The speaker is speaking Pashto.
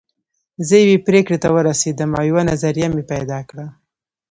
زه يوې پرېکړې ته ورسېدم او يوه نظريه مې پيدا کړه.